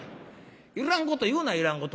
いらんこと言うないらんこと。